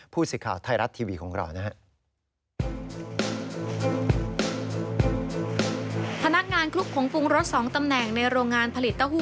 ผู้สิทธิ์ข่าวไทยรัฐทีวีของเรานะฮะ